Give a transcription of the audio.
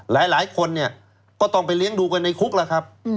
หลายคนเนี่ยก็ต้องไปเลี้ยงดูกันในคุกแล้วครับ